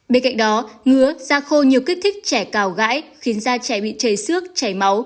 bên cạnh đó ngứa da khô nhiều kích thích trẻ cào gãy khiến da trẻ bị chảy xước chảy máu